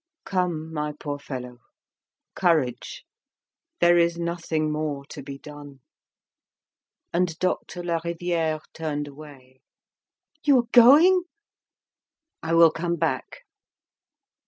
"Come, my poor fellow, courage! There is nothing more to be done." And Doctor Lariviere turned away. "You are going?" "I will come back."